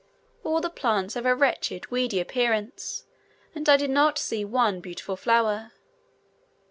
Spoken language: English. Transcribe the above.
All the plants have a wretched, weedy appearance, and I did not see one beautiful flower.